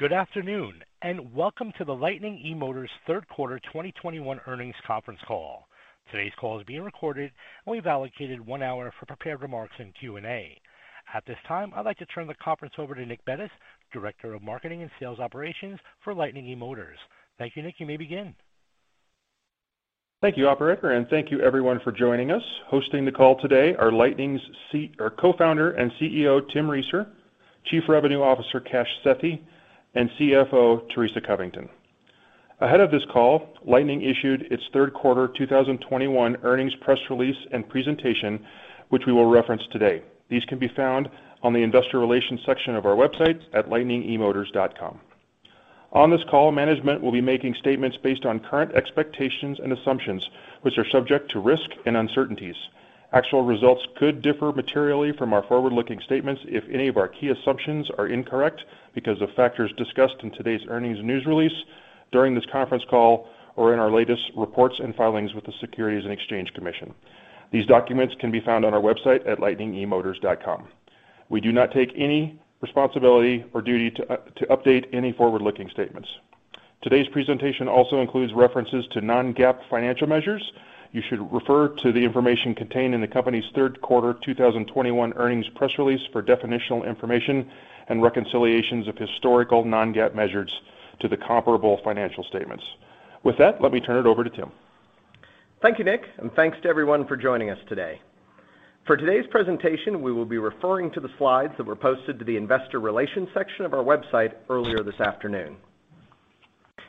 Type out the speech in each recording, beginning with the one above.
Good afternoon, and welcome to the Lightning eMotors Third Quarter 2021 Earnings Conference Call. Today's call is being recorded, and we've allocated one hour for prepared remarks and Q&A. At this time, I'd like to turn the conference over to Nick Bettis, Director of Marketing and Sales Operations for Lightning eMotors. Thank you, Nick. You may begin. Thank you, operator, and thank you everyone for joining us. Hosting the call today are Lightning's co-founder and CEO, Tim Reeser, Chief Revenue Officer, Kash Sethi, and CFO, Teresa Covington. Ahead of this call, Lightning issued its third quarter 2021 earnings press release and presentation, which we will reference today. These can be found on the investor relations section of our website at lightningemotors.com. On this call, management will be making statements based on current expectations and assumptions, which are subject to risk and uncertainties. Actual results could differ materially from our forward-looking statements if any of our key assumptions are incorrect because of factors discussed in today's earnings news release, during this conference call, or in our latest reports and filings with the Securities and Exchange Commission. These documents can be found on our website at lightningemotors.com. We do not take any responsibility or duty to update any forward-looking statements. Today's presentation also includes references to non-GAAP financial measures. You should refer to the information contained in the company's third quarter 2021 earnings press release for definitional information and reconciliations of historical non-GAAP measures to the comparable financial statements. With that, let me turn it over to Tim. Thank you, Nick, and thanks to everyone for joining us today. For today's presentation, we will be referring to the slides that were posted to the investor relations section of our website earlier this afternoon.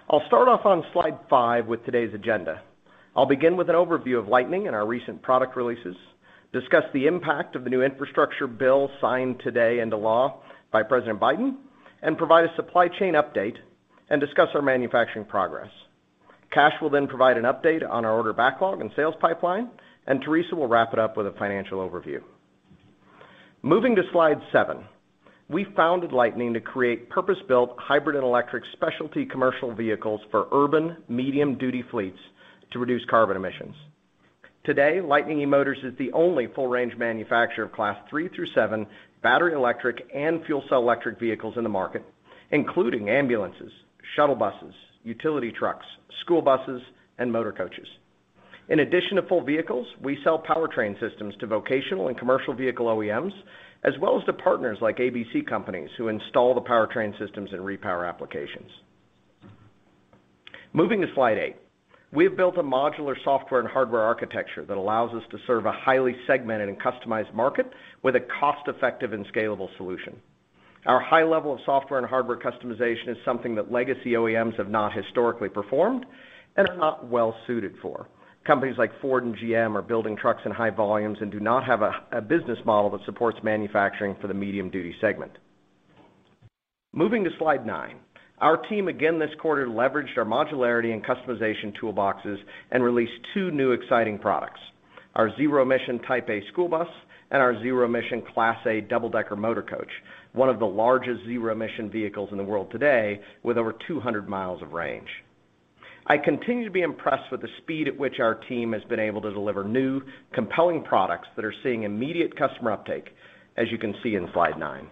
I'll start off on slide five with today's agenda. I'll begin with an overview of Lightning and our recent product releases, discuss the impact of the new infrastructure bill signed today into law by President Biden, and provide a supply chain update and discuss our manufacturing progress. Kash will then provide an update on our order backlog and sales pipeline, and Teresa will wrap it up with a financial overview. Moving to slide seven, we founded Lightning to create purpose-built hybrid and electric specialty commercial vehicles for urban medium-duty fleets to reduce carbon emissions. Today, Lightning eMotors is the only full-range manufacturer of Class three through seven battery, electric, and fuel cell electric vehicles in the market, including ambulances, shuttle buses, utility trucks, school buses, and motor coaches. In addition to full vehicles, we sell powertrain systems to vocational and commercial vehicle OEMs, as well as to partners like ABC Companies who install the powertrain systems and repower applications. Moving to slide eight. We have built a modular software and hardware architecture that allows us to serve a highly segmented and customized market with a cost-effective and scalable solution. Our high level of software and hardware customization is something that legacy OEMs have not historically performed and are not well suited for. Companies like Ford and GM are building trucks in high volumes and do not have a business model that supports manufacturing for the medium-duty segment. Moving to slide nine. Our team again this quarter leveraged our modularity and customization toolboxes and released two new exciting products, our zero-emission Type A school bus and our zero-emission Class A double-decker motor coach, one of the largest zero-emission vehicles in the world today with over 200 miles of range. I continue to be impressed with the speed at which our team has been able to deliver new, compelling products that are seeing immediate customer uptake, as you can see in slide nine.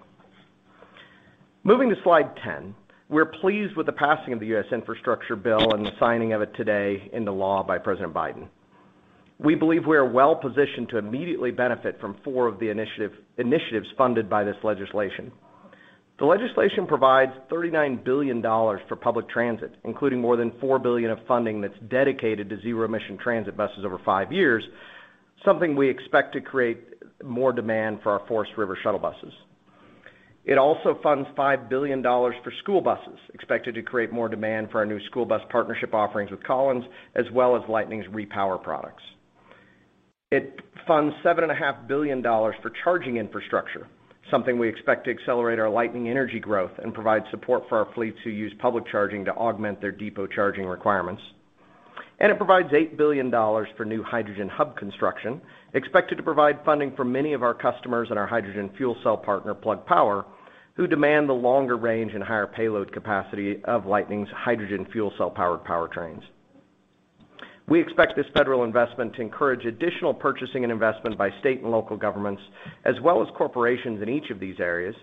Moving to slide 10. We're pleased with the passing of the U.S. infrastructure bill and the signing of it today into law by President Biden. We believe we are well-positioned to immediately benefit from four of the initiatives funded by this legislation. The legislation provides $39 billion for public transit, including more than $4 billion of funding that's dedicated to zero-emission transit buses over five years, something we expect to create more demand for our Forest River shuttle buses. It also funds $5 billion for school buses, expected to create more demand for our new school bus partnership offerings with Collins, as well as Lightning's repower products. It funds $7.5 billion for charging infrastructure, something we expect to accelerate our Lightning Energy growth and provide support for our fleets who use public charging to augment their depot charging requirements. It provides $8 billion for new hydrogen hub construction, expected to provide funding for many of our customers and our hydrogen fuel cell partner, Plug Power, who demand the longer range and higher payload capacity of Lightning's hydrogen fuel cell-powered powertrains. We expect this federal investment to encourage additional purchasing and investment by state and local governments, as well as corporations in each of these areas,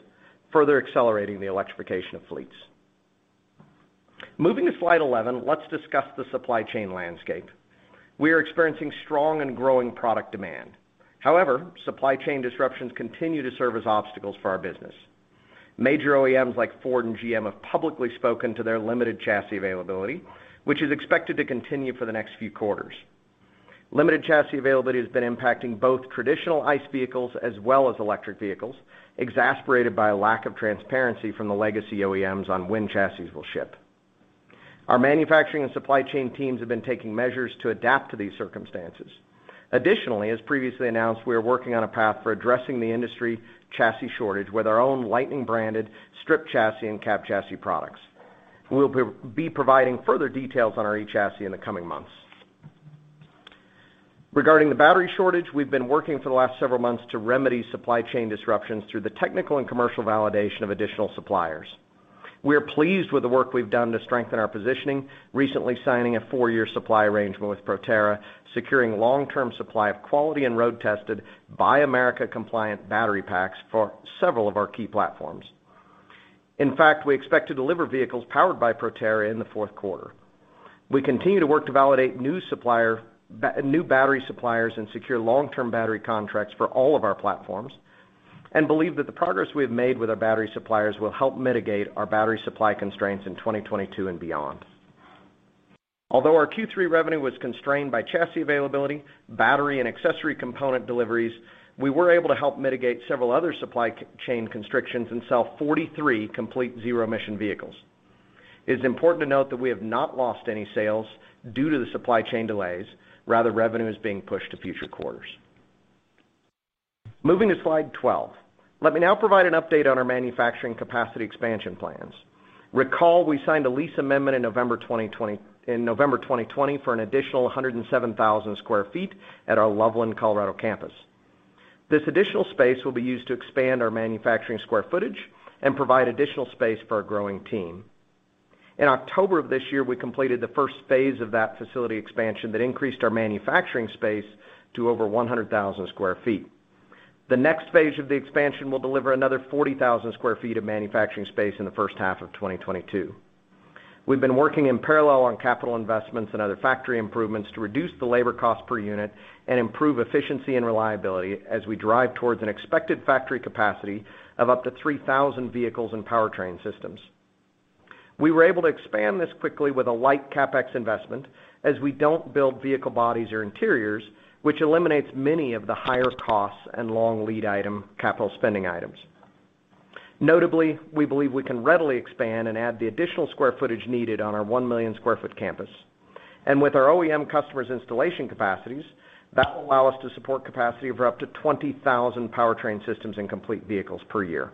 further accelerating the electrification of fleets. Moving to slide 11, let's discuss the supply chain landscape. We are experiencing strong and growing product demand. However, supply chain disruptions continue to serve as obstacles for our business. Major OEMs like Ford and GM have publicly spoken to their limited chassis availability, which is expected to continue for the next few quarters. Limited chassis availability has been impacting both traditional ICE vehicles as well as electric vehicles, exacerbated by a lack of transparency from the legacy OEMs on when chassis will ship. Our manufacturing and supply chain teams have been taking measures to adapt to these circumstances. Additionally, as previously announced, we are working on a path for addressing the industry chassis shortage with our own Lightning-branded strip chassis and cab chassis products. We'll be providing further details on our eChassis in the coming months. Regarding the battery shortage, we've been working for the last several months to remedy supply chain disruptions through the technical and commercial validation of additional suppliers. We are pleased with the work we've done to strengthen our positioning, recently signing a four-year supply arrangement with Proterra, securing long-term supply of quality and road-tested Buy America compliant battery packs for several of our key platforms. In fact, we expect to deliver vehicles powered by Proterra in the fourth quarter. We continue to work to validate new battery suppliers and secure long-term battery contracts for all of our platforms, and believe that the progress we have made with our battery suppliers will help mitigate our battery supply constraints in 2022 and beyond. Although our Q3 revenue was constrained by chassis availability, battery and accessory component deliveries, we were able to help mitigate several other supply chain constrictions and sell 43 complete zero-emission vehicles. It is important to note that we have not lost any sales due to the supply chain delays, rather revenue is being pushed to future quarters. Moving to slide 12. Let me now provide an update on our manufacturing capacity expansion plans. Recall we signed a lease amendment in November 2020 for an additional 107,000 sq ft at our Loveland, Colorado campus. This additional space will be used to expand our manufacturing square footage and provide additional space for our growing team. In October of this year, we completed the first phase of that facility expansion that increased our manufacturing space to over 100,000 sq ft. The next phase of the expansion will deliver another 40,000 sq ft of manufacturing space in the first half of 2022. We've been working in parallel on capital investments and other factory improvements to reduce the labor cost per unit and improve efficiency and reliability as we drive towards an expected factory capacity of up to 3,000 vehicles and powertrain systems. We were able to expand this quickly with a light CapEx investment as we don't build vehicle bodies or interiors, which eliminates many of the higher costs and long lead item capital spending items. Notably, we believe we can readily expand and add the additional square footage needed on our 1 million sq ft campus. With our OEM customers' installation capacities, that will allow us to support capacity of up to 20,000 powertrain systems and complete vehicles per year.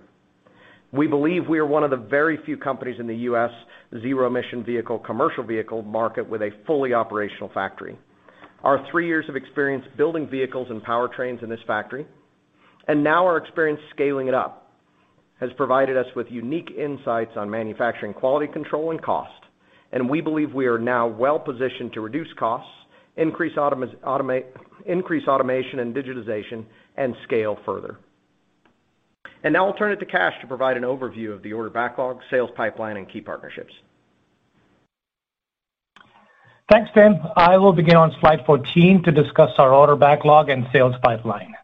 We believe we are one of the very few companies in the U.S. zero-emission vehicle commercial vehicle market with a fully operational factory. Our three years of experience building vehicles and powertrains in this factory, and now our experience scaling it up, has provided us with unique insights on manufacturing, quality control, and cost, and we believe we are now well-positioned to reduce costs, increase automation and digitization, and scale further. Now I'll turn it to Kash to provide an overview of the order backlog, sales pipeline, and key partnerships. Thanks, Tim. I will begin on slide 14 to discuss our order backlog and sales pipeline.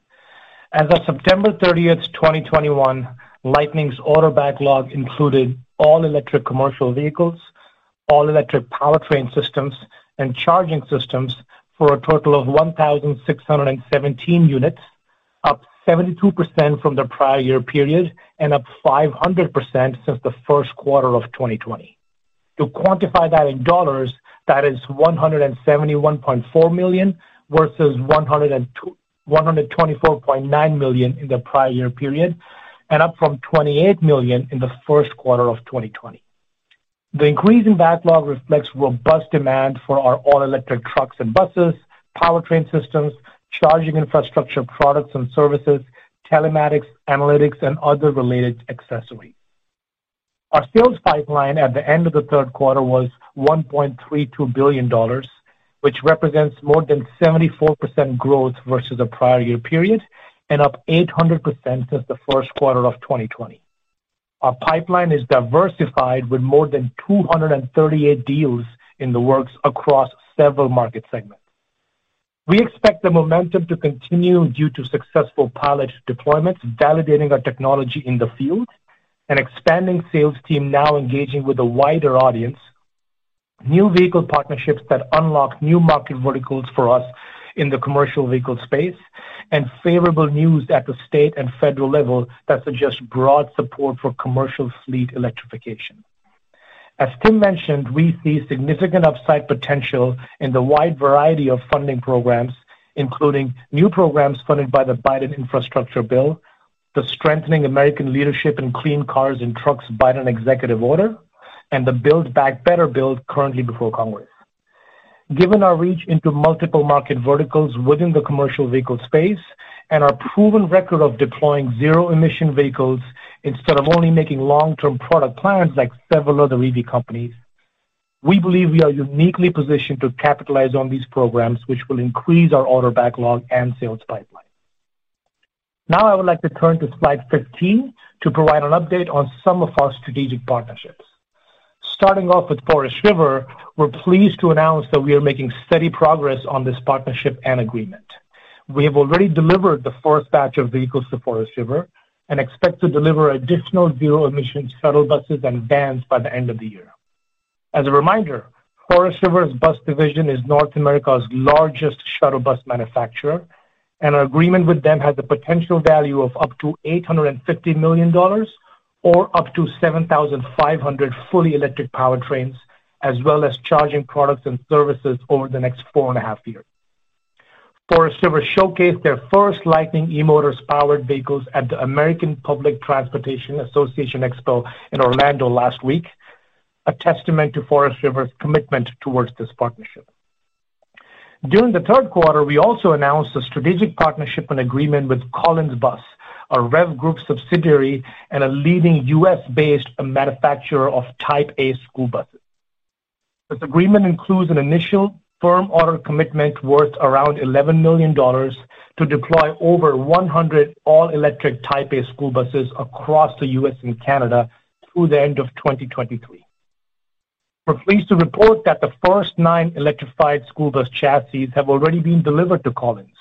As of September 30th, 2021, Lightning's order backlog included all-electric commercial vehicles, all-electric powertrain systems, and charging systems for a total of 1,617 units, up 72% from the prior year period and up 500% since the first quarter of 2020. To quantify that in dollars, that is $171.4 million versus $124.9 million in the prior year period and up from $28 million in the first quarter of 2020. The increase in backlog reflects robust demand for our all-electric trucks and buses, powertrain systems, charging infrastructure products and services, telematics, analytics, and other related accessories. Our sales pipeline at the end of the third quarter was $1.32 billion, which represents more than 74% growth versus the prior year period and up 800% since the first quarter of 2020. Our pipeline is diversified with more than 238 deals in the works across several market segments. We expect the momentum to continue due to successful pilot deployments, validating our technology in the field, an expanding sales team now engaging with a wider audience, new vehicle partnerships that unlock new market verticals for us in the commercial vehicle space, and favorable news at the state and federal level that suggests broad support for commercial fleet electrification. As Tim mentioned, we see significant upside potential in the wide variety of funding programs, including new programs funded by the Biden Infrastructure Bill, the Strengthening American Leadership in Clean Cars and Trucks Biden Executive Order, and the Build Back Better bill currently before Congress. Given our reach into multiple market verticals within the commercial vehicle space and our proven record of deploying zero-emission vehicles instead of only making long-term product plans like several other EV companies, we believe we are uniquely positioned to capitalize on these programs, which will increase our order backlog and sales pipeline. Now I would like to turn to slide 15 to provide an update on some of our strategic partnerships. Starting off with Forest River, we're pleased to announce that we are making steady progress on this partnership and agreement. We have already delivered the first batch of vehicles to Forest River and expect to deliver additional zero-emission shuttle buses and vans by the end of the year. As a reminder, Forest River's bus division is North America's largest shuttle bus manufacturer, and our agreement with them has a potential value of up to $850 million or up to 7,500 fully electric powertrains as well as charging products and services over the next 4.5 years. Forest River showcased their first Lightning eMotors-powered vehicles at the American Public Transportation Association Expo in Orlando last week, a testament to Forest River's commitment towards this partnership. During the third quarter, we also announced a strategic partnership and agreement with Collins Bus, a REV Group subsidiary and a leading U.S.-based manufacturer of Type A school buses. This agreement includes an initial firm order commitment worth around $11 million to deploy over 100 all-electric Type A school buses across the U.S. and Canada through the end of 2023. We're pleased to report that the first nine electrified school bus chassis have already been delivered to Collins.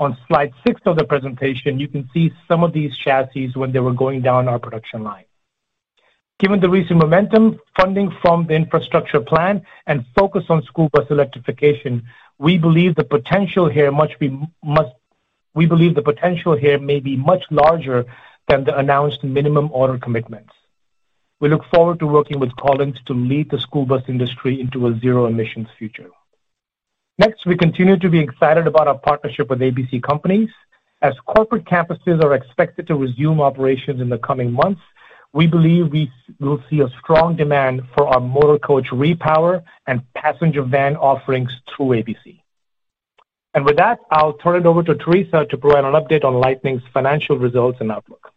On slide six of the presentation, you can see some of these chassis when they were going down our production line. Given the recent momentum, funding from the infrastructure plan and focus on school bus electrification, we believe the potential here may be much larger than the announced minimum order commitments. We look forward to working with Collins to lead the school bus industry into a zero-emissions future. Next, we continue to be excited about our partnership with ABC Companies. As corporate campuses are expected to resume operations in the coming months, we believe we'll see a strong demand for our motor coach repower and passenger van offerings through ABC. With that, I'll turn it over to Teresa to provide an update on Lightning's financial results and outlook.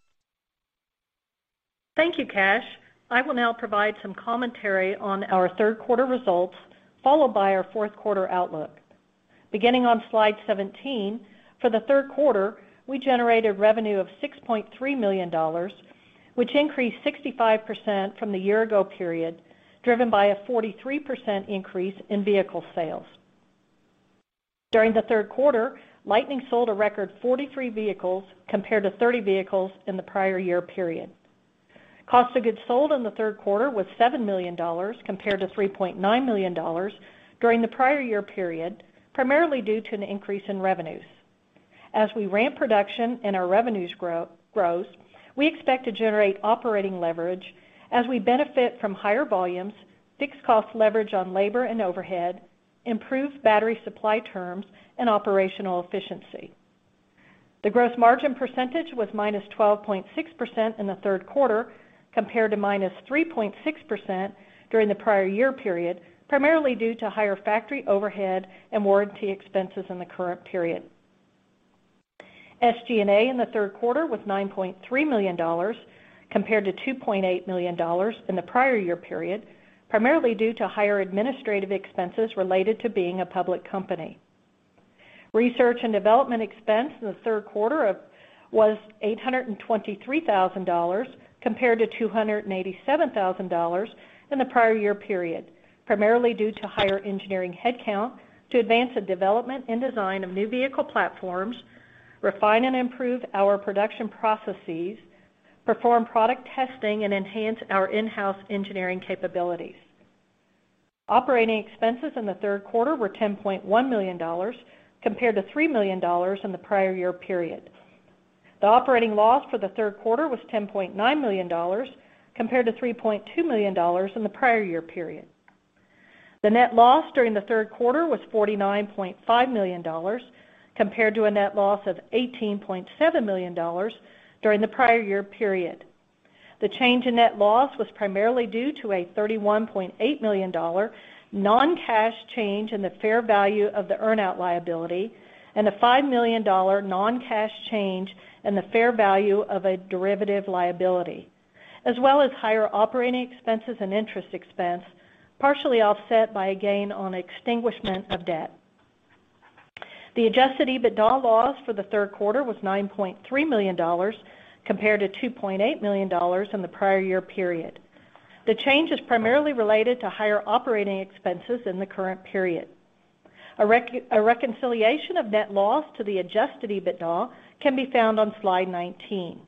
Thank you, Kash. I will now provide some commentary on our third quarter results, followed by our fourth quarter outlook. Beginning on slide 17, for the third quarter, we generated revenue of $6.3 million, which increased 65% from the year-ago period, driven by a 43% increase in vehicle sales. During the third quarter, Lightning sold a record 43 vehicles compared to 30 vehicles in the prior-year period. Cost of goods sold in the third quarter was $7 million compared to $3.9 million during the prior-year period, primarily due to an increase in revenues. As we ramp production and our revenues grow gross, we expect to generate operating leverage as we benefit from higher volumes, fixed cost leverage on labor and overhead, improved battery supply terms, and operational efficiency. The gross margin percentage was -12.6% in the third quarter compared to -3.6% during the prior year period, primarily due to higher factory overhead and warranty expenses in the current period. SG&A in the third quarter was $9.3 million compared to $2.8 million in the prior year period, primarily due to higher administrative expenses related to being a public company. Research and development expense in the third quarter was $823,000 compared to $287,000 in the prior year period, primarily due to higher engineering headcount to advance the development and design of new vehicle platforms, refine and improve our production processes, perform product testing, and enhance our in-house engineering capabilities. Operating expenses in the third quarter were $10.1 million compared to $3 million in the prior year period. The operating loss for the third quarter was $10.9 million compared to $3.2 million in the prior year period. The net loss during the third quarter was $49.5 million compared to a net loss of $18.7 million during the prior year period. The change in net loss was primarily due to a $31.8 million non-cash change in the fair value of the earn-out liability and a $5 million non-cash change in the fair value of a derivative liability, as well as higher operating expenses and interest expense, partially offset by a gain on extinguishment of debt. The adjusted EBITDA loss for the third quarter was $9.3 million compared to $2.8 million in the prior year period. The change is primarily related to higher operating expenses in the current period. A reconciliation of net loss to the adjusted EBITDA can be found on slide 19.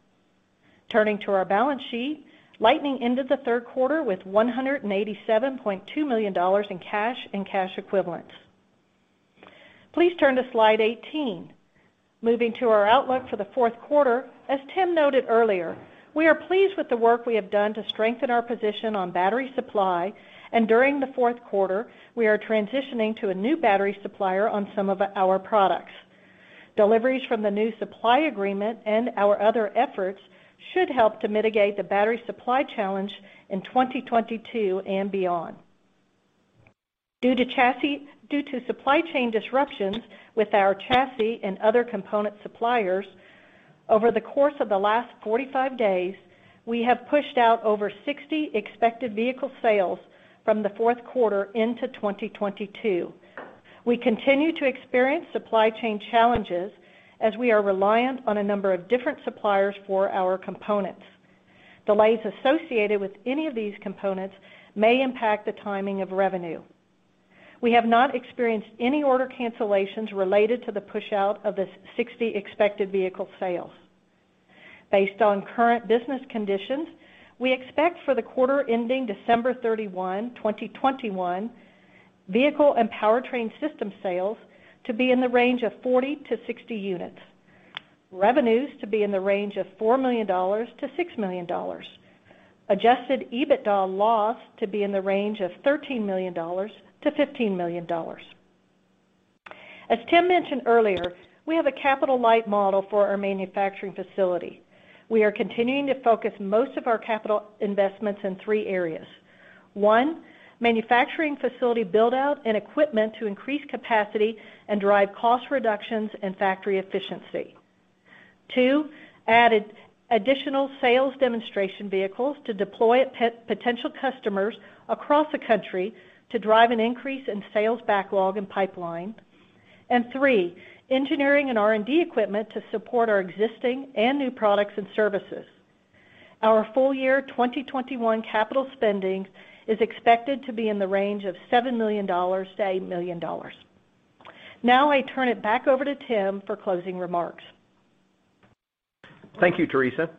Turning to our balance sheet, Lightning ended the third quarter with $187.2 million in cash and cash equivalents. Please turn to slide 18. Moving to our outlook for the fourth quarter, as Tim noted earlier, we are pleased with the work we have done to strengthen our position on battery supply. During the fourth quarter, we are transitioning to a new battery supplier on some of our products. Deliveries from the new supply agreement and our other efforts should help to mitigate the battery supply challenge in 2022 and beyond. Due to supply chain disruptions with our chassis and other component suppliers, over the course of the last 45 days, we have pushed out over 60 expected vehicle sales from the fourth quarter into 2022. We continue to experience supply chain challenges as we are reliant on a number of different suppliers for our components. Delays associated with any of these components may impact the timing of revenue. We have not experienced any order cancellations related to the push out of the 60 expected vehicle sales. Based on current business conditions, we expect for the quarter ending December 31, 2021, vehicle and powertrain system sales to be in the range of 40-60 units, revenues to be in the range of $4 million-$6 million, adjusted EBITDA loss to be in the range of $13 million-$15 million. As Tim mentioned earlier, we have a capital-light model for our manufacturing facility. We are continuing to focus most of our capital investments in three areas. One, manufacturing facility build-out and equipment to increase capacity and drive cost reductions and factory efficiency. Two, added additional sales demonstration vehicles to deploy at potential customers across the country to drive an increase in sales backlog and pipeline. Three, engineering and R&D equipment to support our existing and new products and services. Our full-year 2021 capital spending is expected to be in the range of $7 million-$8 million. Now I turn it back over to Tim for closing remarks. Thank you, Teresa.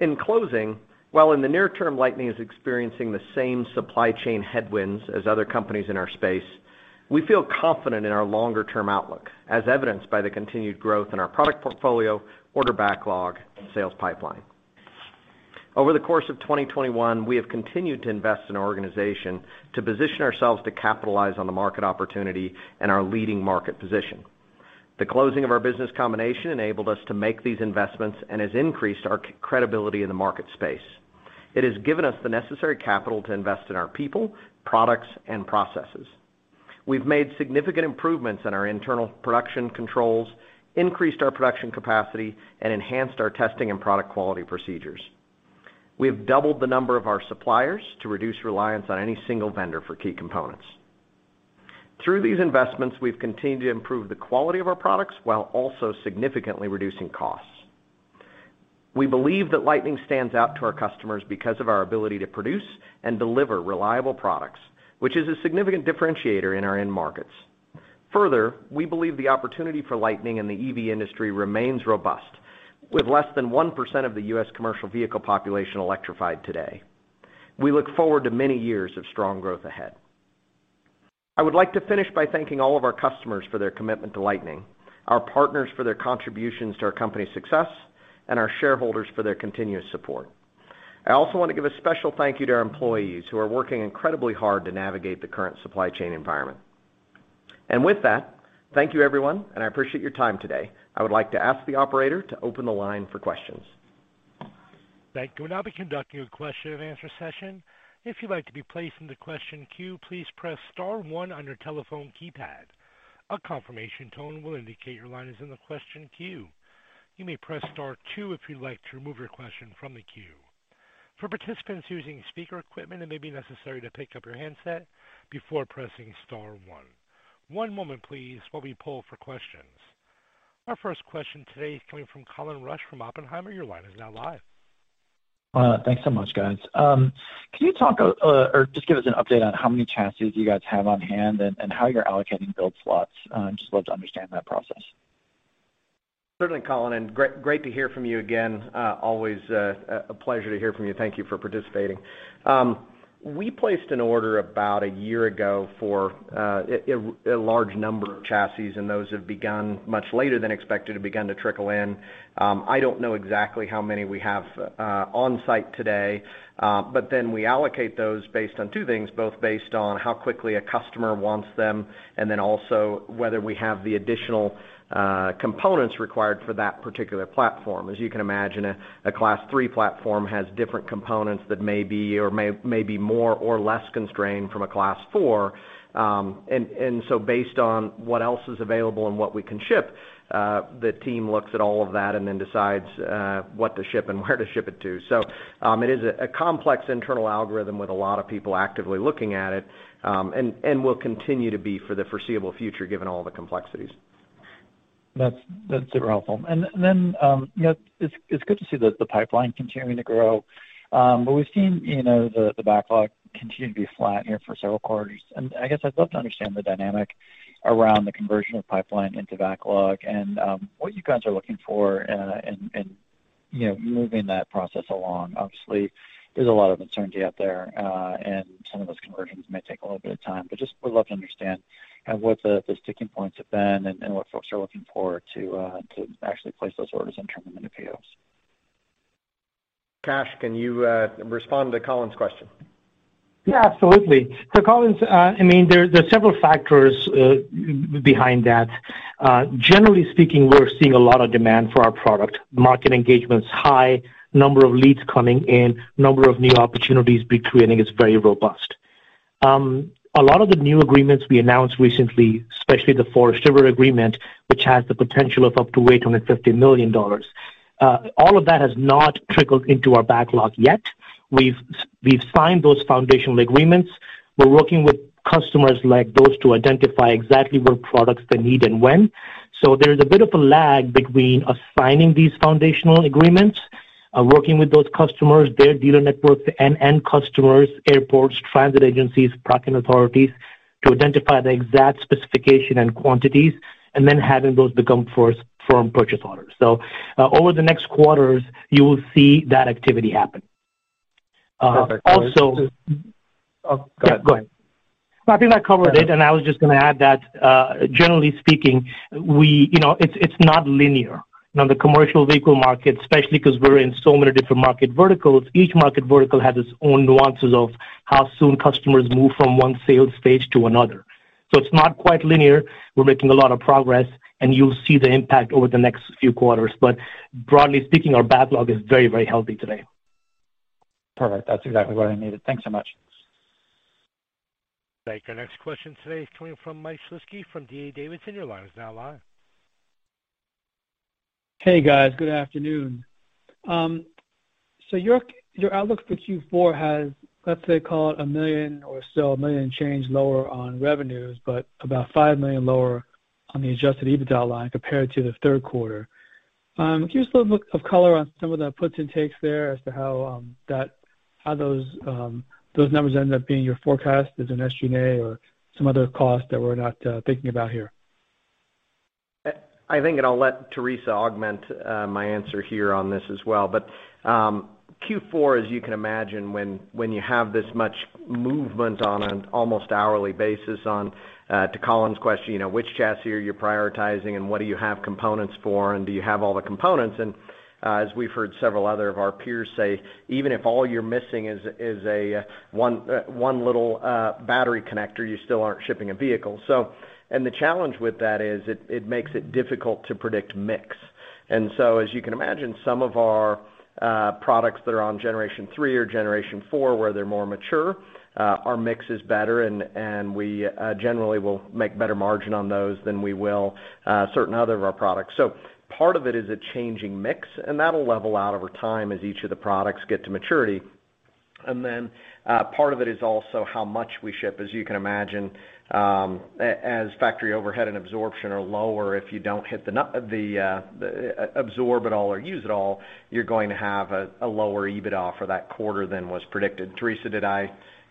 In closing, while in the near term, Lightning is experiencing the same supply chain headwinds as other companies in our space, we feel confident in our longer-term outlook, as evidenced by the continued growth in our product portfolio, order backlog, and sales pipeline. Over the course of 2021, we have continued to invest in our organization to position ourselves to capitalize on the market opportunity and our leading market position. The closing of our business combination enabled us to make these investments and has increased our credibility in the market space. It has given us the necessary capital to invest in our people, products, and processes. We've made significant improvements in our internal production controls, increased our production capacity, and enhanced our testing and product quality procedures. We have doubled the number of our suppliers to reduce reliance on any single vendor for key components. Through these investments, we've continued to improve the quality of our products while also significantly reducing costs. We believe that Lightning stands out to our customers because of our ability to produce and deliver reliable products, which is a significant differentiator in our end markets. Further, we believe the opportunity for Lightning in the EV industry remains robust, with less than 1% of the U.S. commercial vehicle population electrified today. We look forward to many years of strong growth ahead. I would like to finish by thanking all of our customers for their commitment to Lightning, our partners for their contributions to our company's success, and our shareholders for their continuous support. I also want to give a special thank you to our employees who are working incredibly hard to navigate the current supply chain environment. With that, thank you, everyone, and I appreciate your time today. I would like to ask the operator to open the line for questions. Thank you. We'll now be conducting a question and answer session. If you'd like to be placed in the question queue, please press star one on your telephone keypad. A confirmation tone will indicate your line is in the question queue. You may press star two if you'd like to remove your question from the queue. For participants using speaker equipment, it may be necessary to pick up your handset before pressing star one. One moment, please, while we poll for questions. Our first question today is coming from Colin Rusch from Oppenheimer. Your line is now live. Thanks so much, guys. Can you talk or just give us an update on how many chassis you guys have on hand and how you're allocating build slots? Just love to understand that process. Certainly, Colin, and great to hear from you again. Always a pleasure to hear from you. Thank you for participating. We placed an order about a year ago for a large number of chassis, and those have begun much later than expected to begin to trickle in. I don't know exactly how many we have on site today. We allocate those based on two things, both based on how quickly a customer wants them and then also whether we have the additional components required for that particular platform. As you can imagine, a Class three platform has different components that may be more or less constrained than a Class four. Based on what else is available and what we can ship, the team looks at all of that and then decides what to ship and where to ship it to. It is a complex internal algorithm with a lot of people actively looking at it and will continue to be for the foreseeable future, given all the complexities. That's super helpful. You know, it's good to see the pipeline continuing to grow. We've seen, you know, the backlog continues to be flat here for several quarters. I guess I'd love to understand the dynamic around the conversion of pipeline into backlog and what you guys are looking for in you know, moving that process along. Obviously, there's a lot of uncertainty out there and some of those conversions may take a little bit of time. Just would love to understand what the sticking points have been and what folks are looking for to to actually place those orders and turn them into POs. Kash, can you respond to Colin's question? Yeah, absolutely. Colin's, I mean, there are several factors behind that. Generally speaking, we're seeing a lot of demand for our product. Market engagement's high, number of leads coming in, number of new opportunities we're creating is very robust. A lot of the new agreements we announced recently, especially the Forest River agreement, which has the potential of up to $850 million. All of that has not trickled into our backlog yet. We've signed those foundational agreements. We're working with customers like those to identify exactly what products they need and when. There's a bit of a lag between us signing these foundational agreements, working with those customers, their dealer networks, the end customers, airports, transit agencies, parking authorities, to identify the exact specification and quantities, and then having those become firm purchase orders. Over the next quarters, you will see that activity happen. Perfect. Also- Oh, go ahead. Go ahead. I think I covered it, and I was just gonna add that, generally speaking, we, you know, it's not linear. Now, the commercial vehicle market, especially because we're in so many different market verticals, each market vertical has its own nuances of how soon customers move from one sales stage to another. So it's not quite linear. We're making a lot of progress, and you'll see the impact over the next few quarters. But broadly speaking, our backlog is very, very healthy today. Perfect. That's exactly what I needed. Thanks so much. Thank you. Our next question today is coming from Michael Shlisky from D.A. Davidson. Your line is now live. Hey, guys. Good afternoon. Your outlook for Q4 has, let's say, call it $1 million or so change lower on revenues, but about $5 million lower on the adjusted EBITDA line compared to the third quarter. Can you give just a little bit of color on some of the puts and takes there as to how those numbers end up being your forecast, is it an SG&A or some other costs that we're not thinking about here? I think, and I'll let Teresa augment my answer here on this as well. Q4, as you can imagine, when you have this much movement on an almost hourly basis on, to Colin's question, you know, which chassis are you prioritizing and what do you have components for, and do you have all the components? As we've heard several other of our peers say, even if all you're missing is one little battery connector, you still aren't shipping a vehicle. The challenge with that is it makes it difficult to predict mix. As you can imagine, some of our products that are on generation three or generation four, where they're more mature, our mix is better, and we generally will make better margin on those than we will certain other of our products. Part of it is a changing mix, and that'll level out over time as each of the products get to maturity. Then part of it is also how much we ship. As you can imagine, as factory overhead and absorption are lower, if you don't hit the absorb it all or use it all, you're going to have a lower EBITDA for that quarter than was predicted. Teresa, did I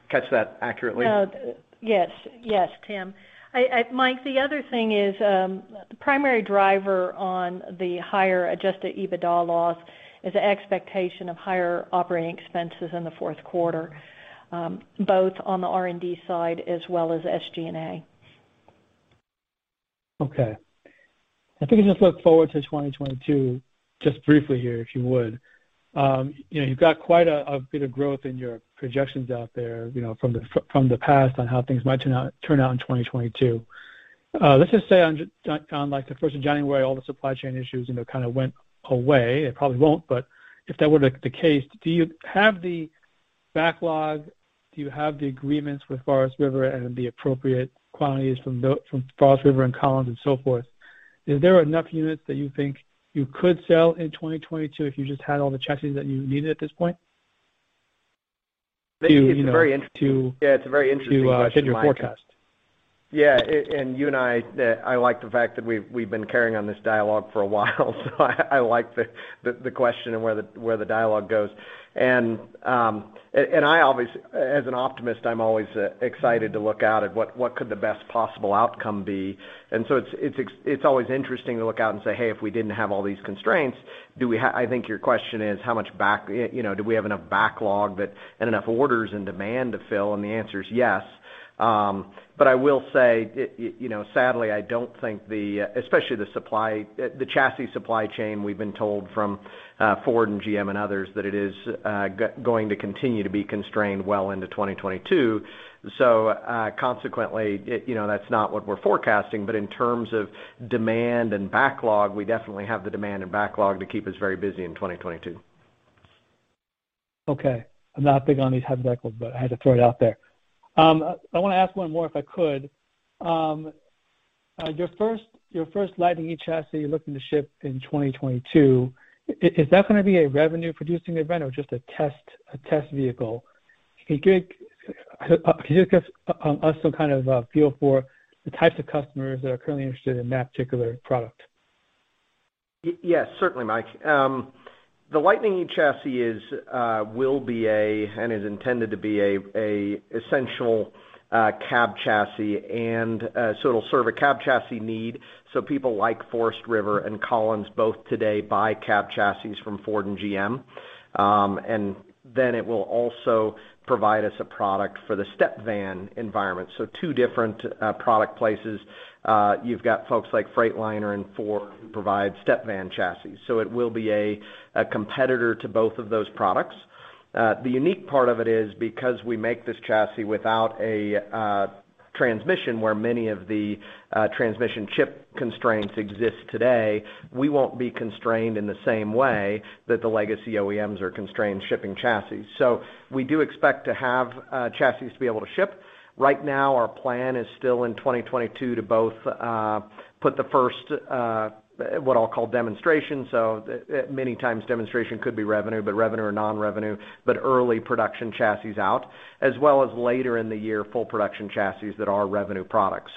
catch that accurately? No. Yes. Yes, Tim. Mike, the other thing is, the primary driver on the higher adjusted EBITDA loss is the expectation of higher operating expenses in the fourth quarter, both on the R&D side as well as SG&A. Okay. If we can just look forward to 2022, just briefly here, if you would. You know, you've got quite a bit of growth in your projections out there, you know, from the past on how things might turn out in 2022. Let's just say on, like, the first of January, all the supply chain issues, you know, kind of went away. It probably won't, but if that were the case, do you have the backlog? Do you have the agreements with Forest River and the appropriate quantities from Forest River and Collins Bus and so forth? Is there enough units that you think you could sell in 2022 if you just had all the chassis that you needed at this point? Maybe it's a very interesting. To, you know, to- Yeah, it's a very interesting question, Mike. To hit your forecast. Yeah. You and I like the fact that we've been carrying on this dialogue for a while, so I like the question and where the dialogue goes. I always, as an optimist, I'm always excited to look out at what could the best possible outcome be. It's always interesting to look out and say, "Hey, if we didn't have all these constraints, do we have." I think your question is how much backlog, you know, do we have enough backlog and enough orders and demand to fill. The answer is yes. I will say, you know, sadly, I don't think the supply, especially the chassis supply chain. We've been told from Ford and GM and others that it is going to continue to be constrained well into 2022. Consequently, it, you know, that's not what we're forecasting. In terms of demand and backlog, we definitely have the demand and backlog to keep us very busy in 2022. Okay. I'm not big on these hypotheticals, but I had to throw it out there. I wanna ask one more, if I could. Your first Lightning eChassis you're looking to ship in 2022, is that gonna be a revenue producing event or just a test vehicle? Can you just give us some kind of a feel for the types of customers that are currently interested in that particular product? Yes, certainly, Mike. The Lightning eChassis is and is intended to be an essential cab chassis. It will serve a cab chassis need, so people like Forest River and Collins both today buy cab chassis from Ford and GM. Then it will also provide us a product for the step van environment. Two different product places. You've got folks like Freightliner and Ford who provide step van chassis. It will be a competitor to both of those products. The unique part of it is because we make this chassis without a transmission where many of the transmission chip constraints exist today, we won't be constrained in the same way that the legacy OEMs are constrained shipping chassis. We do expect to have chassis to be able to ship. Right now our plan is still in 2022 to both put the first what I'll call demonstration. Many times demonstration could be revenue, but revenue or non-revenue, but early production chassis out, as well as later in the year, full production chassis that are revenue products.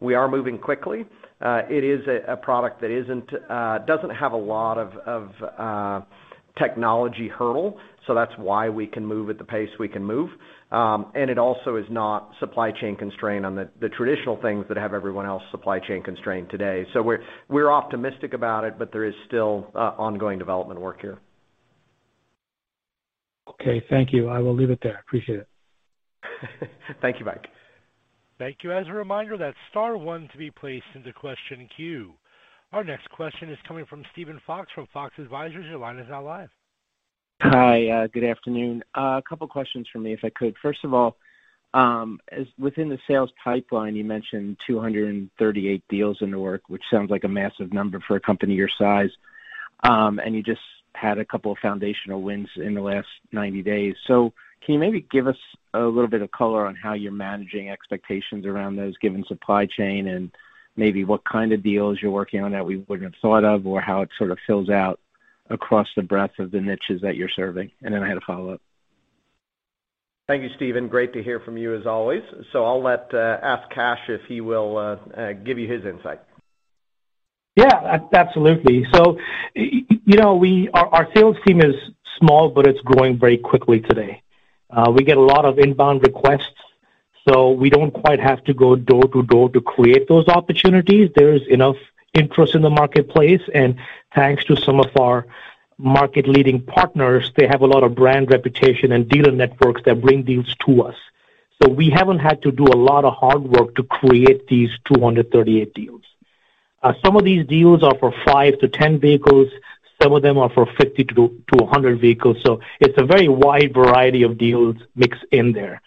We are moving quickly. It is a product that doesn't have a lot of technology hurdle, so that's why we can move at the pace we can move. It also is not supply chain constrained on the traditional things that have everyone else supply chain constrained today. We're optimistic about it, but there is still ongoing development work here. Okay, thank you. I will leave it there. I appreciate it. Thank you, Mike. Thank you. As a reminder, that's star one to be placed into question queue. Our next question is coming from Steven Fox from Fox Advisors. Your line is now live. Hi, good afternoon. A couple questions from me, if I could. First of all, as with the sales pipeline, you mentioned 238 deals in the work, which sounds like a massive number for a company your size. You just had a couple of foundational wins in the last 90 days. Can you maybe give us a little bit of color on how you're managing expectations around those given supply chain and maybe what kind of deals you're working on that we wouldn't have thought of or how it sort of fills out across the breadth of the niches that you're serving? I had a follow-up. Thank you, Steven. Great to hear from you as always. I'll ask Kash if he will give you his insight. Yeah, absolutely. You know, our sales team is small, but it's growing very quickly today. We get a lot of inbound requests, so we don't quite have to go door to door to create those opportunities. There's enough interest in the marketplace, and thanks to some of our market-leading partners, they have a lot of brand reputation and dealer networks that bring deals to us. We haven't had to do a lot of hard work to create these 238 deals. Some of these deals are for five-10 vehicles, some of them are for 50-100 vehicles. It's a very wide variety of deals mixed in there.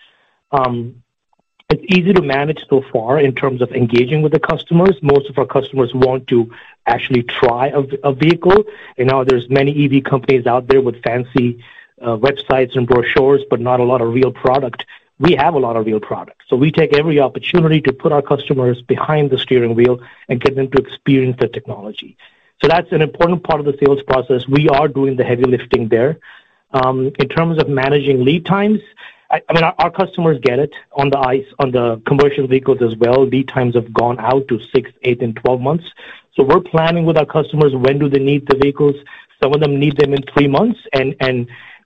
It's easy to manage so far in terms of engaging with the customers. Most of our customers want to actually try a vehicle. I know there's many EV companies out there with fancy websites and brochures, but not a lot of real product. We have a lot of real product, so we take every opportunity to put our customers behind the steering wheel and get them to experience the technology. That's an important part of the sales process. We are doing the heavy lifting there. In terms of managing lead times, I mean, our customers get it on the ICE, on the commercial vehicles as well. Lead times have gone out to six, eight, and 12 months. We're planning with our customers when do they need the vehicles. Some of them need them in three months.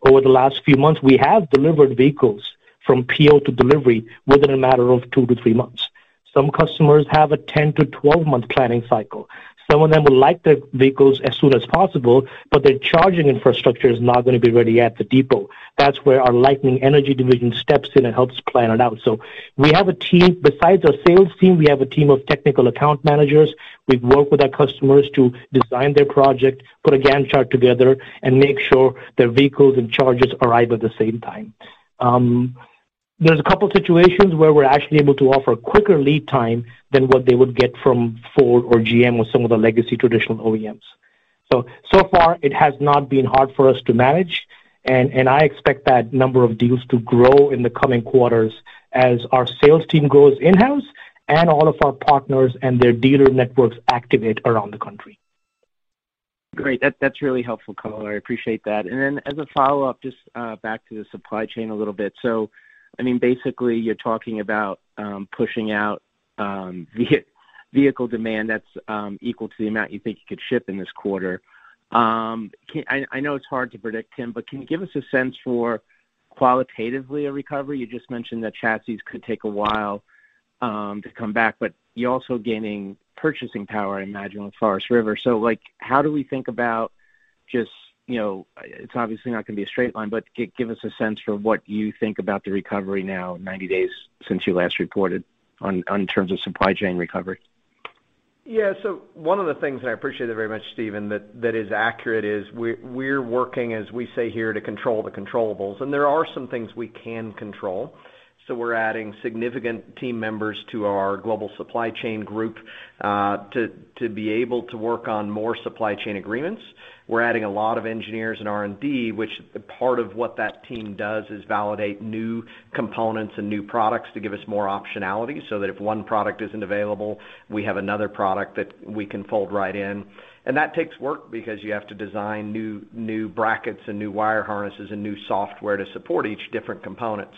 Over the last few months we have delivered vehicles from PO to delivery within a matter of two to three months. Some customers have a 10-month to 12-month planning cycle. Some of them would like their vehicles as soon as possible, but their charging infrastructure is not gonna be ready at the depot. That's where our Lightning Energy division steps in and helps plan it out. Besides our sales team, we have a team of technical account managers. We've worked with our customers to design their project, put a Gantt chart together and make sure their vehicles and chargers arrive at the same time. There's a couple of situations where we're actually able to offer quicker lead time than what they would get from Ford or GM or some of the legacy traditional OEMs. So far it has not been hard for us to manage. I expect that number of deals to grow in the coming quarters as our sales team grows in-house and all of our partners and their dealer networks activate around the country. Great. That's really helpful color. I appreciate that. Then as a follow-up, just back to the supply chain a little bit. I mean basically you're talking about pushing out vehicle demand that's equal to the amount you think you could ship in this quarter. I know it's hard to predict, Tim, but can you give us a sense for qualitatively a recovery? You just mentioned that chassis could take a while to come back, but you're also gaining purchasing power I imagine with Forest River. Like how do we think about just, you know, it's obviously not gonna be a straight line, but give us a sense for what you think about the recovery now 90 days since you last reported on terms of supply chain recovery. One of the things, and I appreciate it very much, Steven, that is accurate is we're working as we say here to control the controllables. There are some things we can control. We're adding significant team members to our global supply chain group to be able to work on more supply chain agreements. We're adding a lot of engineers in R&D, which part of what that team does is validate new components and new products to give us more optionality so that if one product isn't available we have another product that we can fold right in. That takes work because you have to design new brackets and new wire harnesses and new software to support each different component.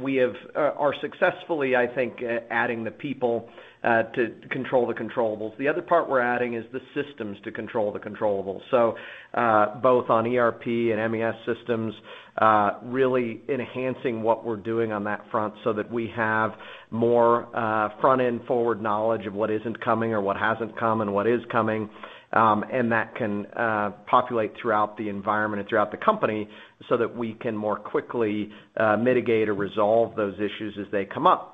We are successfully, I think, adding the people to control the controllables. The other part we're adding is the systems to control the controllables. Both on ERP and MES systems, really enhancing what we're doing on that front so that we have more front-end forward knowledge of what isn't coming or what hasn't come and what is coming. That can populate throughout the environment and throughout the company so that we can more quickly mitigate or resolve those issues as they come up.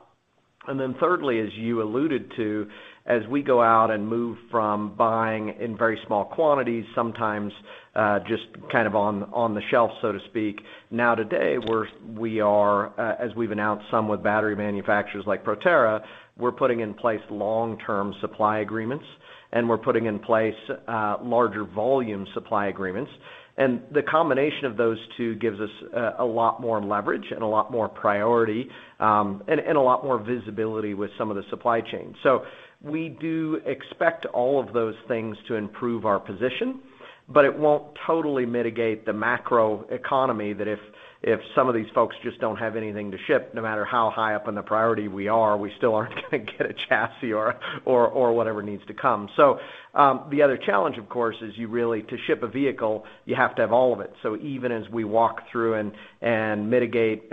Thirdly, as you alluded to, as we go out and move from buying in very small quantities sometimes, just kind of on the shelf so to speak. Now today we are, as we've announced some with battery manufacturers like Proterra, we're putting in place long-term supply agreements and we're putting in place larger volume supply agreements. The combination of those two gives us a lot more leverage and a lot more priority and a lot more visibility with some of the supply chain. We do expect all of those things to improve our position, but it won't totally mitigate the macro economy that if some of these folks just don't have anything to ship no matter how high up in the priority we are, we still aren't gonna get a chassis or whatever needs to come. The other challenge of course is to ship a vehicle, you have to have all of it. Even as we walk through and mitigate,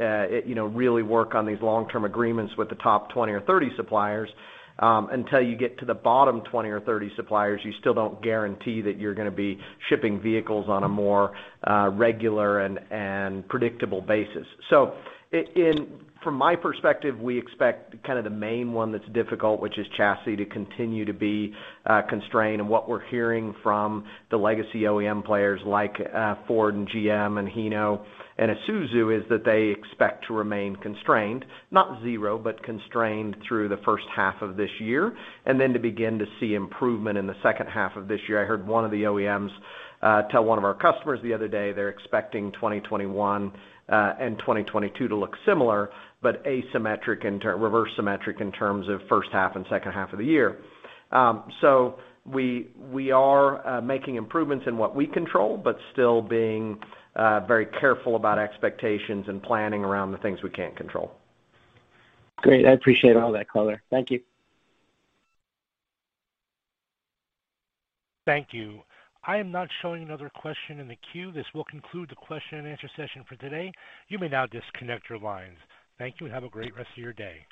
you know, really work on these long-term agreements with the top 20 or 30 suppliers, until you get to the bottom 20 or 30 suppliers you still don't guarantee that you're gonna be shipping vehicles on a more regular and predictable basis. From my perspective we expect kind of the main one that's difficult which is chassis to continue to be constrained. What we're hearing from the legacy OEM players like Ford and GM and Hino and Isuzu is that they expect to remain constrained, not zero but constrained through the first half of this year, then to begin to see improvement in the second half of this year. I heard one of the OEMs tell one of our customers the other day they're expecting 2021 and 2022 to look similar but reverse symmetric in terms of first half and second half of the year. We are making improvements in what we control but still being very careful about expectations and planning around the things we can't control. Great. I appreciate all that color. Thank you. Thank you. I am not showing another question in the queue. This will conclude the question-and-answer session for today. You may now disconnect your lines. Thank you and have a great rest of your day.